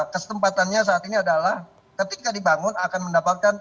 kesempatannya saat ini adalah ketika dibangun akan mendapatkan